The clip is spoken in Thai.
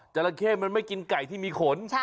จระแคร่มันไม่กินไก่ที่มีขน